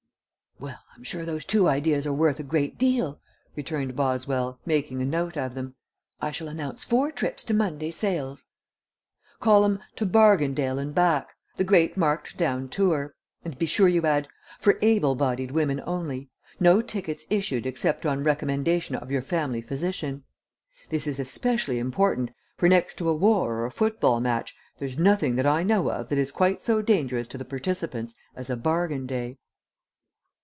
"Well, I'm sure those two ideas are worth a great deal," returned Boswell, making a note of them; "I shall announce four trips to Monday sales " "Call 'em 'To Bargaindale and Back: The Great Marked down Tour,' and be sure you add, 'For Able bodied Women Only. No Tickets Issued Except on Recommendation of your Family Physician.' This is especially important, for next to a war or a football match there's nothing that I know of that is quite so dangerous to the participants as a bargain day."